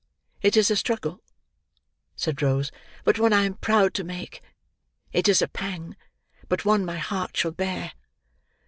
It is a struggle," said Rose, "but one I am proud to make; it is a pang, but one my heart shall bear."